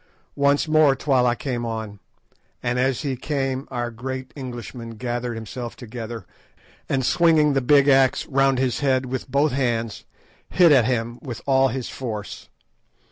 Once more Twala came on, and as he came our great Englishman gathered himself together, and swinging the big axe round his head with both hands, hit at him with all his force.